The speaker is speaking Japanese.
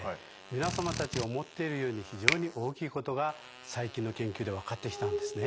皆様たちが思っているより非常に大きいことが最近の研究で分かってきたんですね。